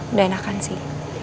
udah enakan sih